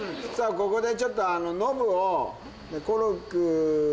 ここでちょっとあのノブを。